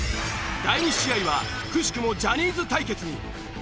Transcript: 第２試合はくしくもジャニーズ対決に！